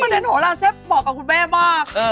มันเต็มโหลาเสฟเหมาะกับคุณแม่มาก